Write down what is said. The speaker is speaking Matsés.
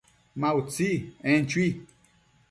Ma utsi, en chui